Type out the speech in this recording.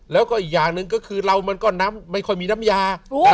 แล้วก็อีกอย่างหนึ่งก็คือเรามันก็น้ำไม่ค่อยมีน้ำยา